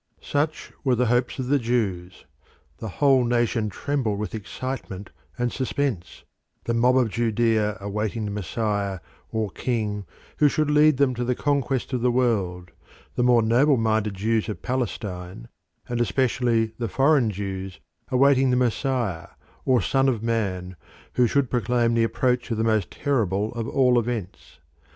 Such were the hopes of the Jews. The whole nation trembled with excitement and suspense; the mob of Judea awaiting the Messiah or king who should lead them to the conquest of the world; the more noble minded Jews of Palestine, and especially the foreign Jews, awaiting the Messiah or Son of Man who should proclaim the approach of the most terrible of all events.